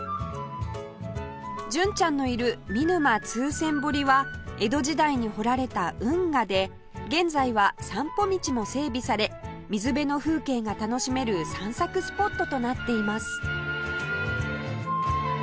純ちゃんのいる見沼通船堀は江戸時代に掘られた運河で現在は散歩道も整備され水辺の風景が楽しめる散策スポットとなっています